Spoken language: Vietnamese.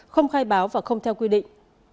không khai báo và không theo quy định